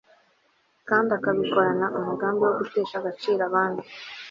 kandi akabikorana umugambi wo gutesha agaciro abandi